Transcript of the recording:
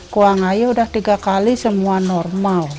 keuangaya udah tiga kali semua normal